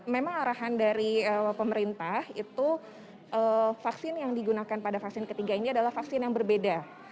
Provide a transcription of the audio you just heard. memang arahan dari pemerintah itu vaksin yang digunakan pada vaksin ketiga ini adalah vaksin yang berbeda